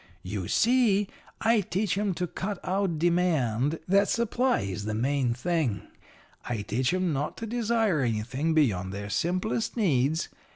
"'You see, I teach 'em to cut out demand that supply is the main thing. I teach 'em not to desire anything beyond their simplest needs.